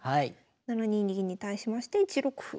７二銀に対しまして１六歩。